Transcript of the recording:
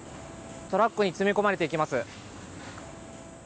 トラックに詰め込まれていきます。